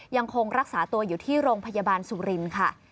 ยังคงรักษาตัวอยู่ที่โรงพยาบาลสุรินทร์ค่ะ